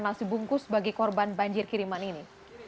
nasi bungkus bagi korban banjir kiriman ini